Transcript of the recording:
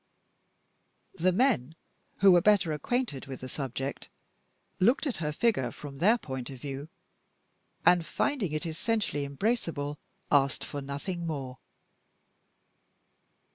The men (who were better acquainted with the subject) looked at her figure from their point of view; and, finding it essentially embraceable, asked for nothing more.